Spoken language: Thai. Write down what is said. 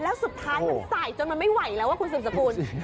แล้วสุดท้ายมันใส่จนมันไม่ไหวแล้วคุณสืบสกุล